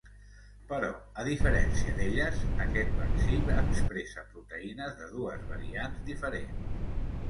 Però a diferència d’elles, aquest vaccí expressa proteïnes de dues variants diferents.